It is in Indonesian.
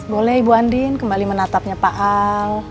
boleh ibu andin kembali menatapnya pak ang